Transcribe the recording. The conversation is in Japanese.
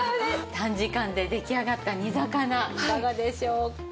短時間で出来上がった煮魚いかがでしょう？